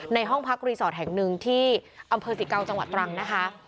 ห้องพักรีสอร์ทแห่งหนึ่งที่อำเภอสิเกาจังหวัดตรังนะคะ